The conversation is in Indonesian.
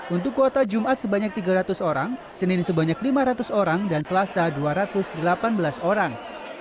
untuk kuota jumat sebanyak tiga ratus orang senin sebanyak lima ratus orang dan selasa dua ratus delapan belas orang